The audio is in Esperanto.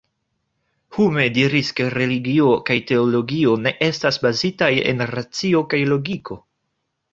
Hume diris ke religio kaj teologio ne estas bazitaj en racio kaj logiko.